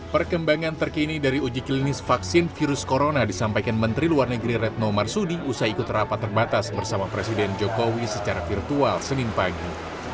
perkembangan terkini dari uji klinis vaksin virus corona disampaikan menteri luar negeri retno marsudi usai ikut rapat terbatas bersama presiden jokowi secara virtual senin pagi